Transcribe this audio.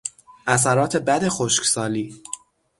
اثرات بد خشکسالی